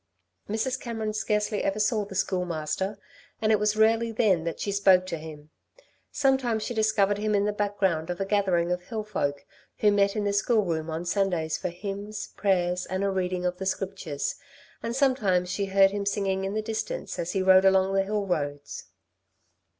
Mrs. Cameron scarcely ever saw the Schoolmaster, and it was rarely then that she spoke to him. Sometimes she discovered him in the background of a gathering of hill folk who met in the school room on Sundays for hymns, prayers and a reading of the Scriptures, and sometimes she heard him singing in the distance as he rode along the hill roads.